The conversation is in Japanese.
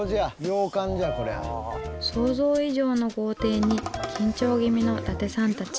想像以上の豪邸に緊張気味の伊達さんたち。